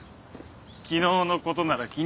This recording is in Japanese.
昨日のことなら気にすんな。